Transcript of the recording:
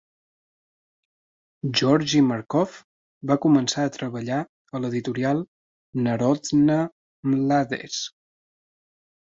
Georgi Markov va començar a treballar a l'editorial Narodna Mladezh.